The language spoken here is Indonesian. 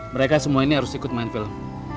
mereka semua ini harus ikut main film